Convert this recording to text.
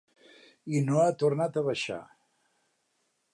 I no ha tornat a baixar.